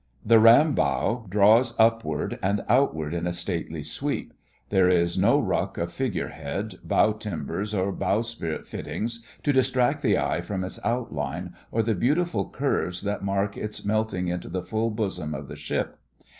The ram bow draws upward and outward in a stately sweep. There is no ruck of figure head, bow timbers or bowsprit fittings to distract the eye from its outline or the beautiful curves that mark its melting into the full bosom of the ship.